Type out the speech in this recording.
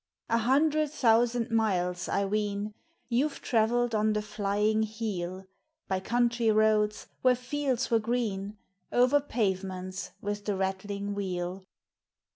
A hundred thousand miles, I ween! You've travelled on the flying heel By country roads, where fields were green, O'er pavements, with the rattling wheel.